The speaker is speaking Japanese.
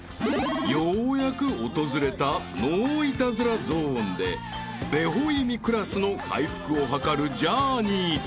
［ようやく訪れたノーイタズラゾーンでベホイミクラスの回復をはかるジャーニーたち］